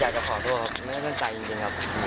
อยากจะขอโทษครับไม่ได้ตั้งใจจริงครับ